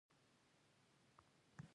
د پښتنو مېلمه پالنه په نړۍ کې مشهوره ده.